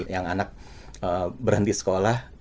yang anak berhenti sekolah